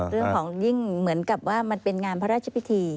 เรื่องของยิ่งเหมือนกับว่ามันเป็นงานพระราชพิธี